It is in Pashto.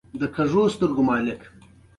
چنګلونه د افغانستان د بشري فرهنګ برخه ده.